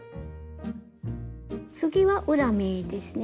次は裏目ですね。